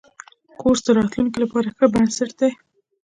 کورس د راتلونکي لپاره ښه بنسټ دی.